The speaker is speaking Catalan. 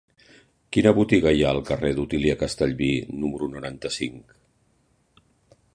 Quina botiga hi ha al carrer d'Otília Castellví número noranta-cinc?